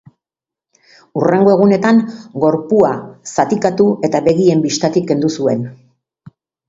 Hurrengo egunetan gorpua zatikatu eta begien bistatik kendu zuen.